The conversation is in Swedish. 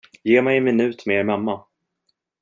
Ge mig en minut med er mamma.